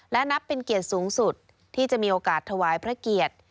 และนับเป็นเกียรติสูงสุดที่จะมีโอกาสถวายพระเกียรติ